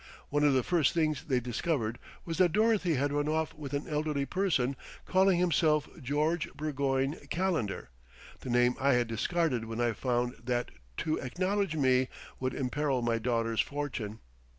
One of the first things they discovered was that Dorothy had run off with an elderly person calling himself George Burgoyne Calendar the name I had discarded when I found that to acknowledge me would imperil my daughter's fortune....